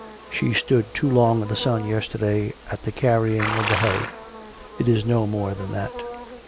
She stood too long in the sun yesterday, at the carrying of the hay; it is no more than that."